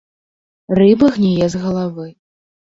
Рыба гніе з галавы.